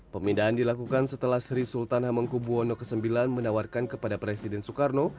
pemindahan dilakukan setelah sri sultan hamengkubuwono ix menawarkan kepada presiden soekarno